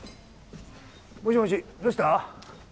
もしもしどうした？